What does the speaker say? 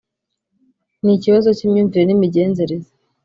Ni ikibazo cy’imyumvire n’imigenzereze